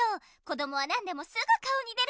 こどもは何でもすぐ顔に出るの。